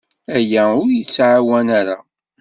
Aya ur k-yettɛawan ara.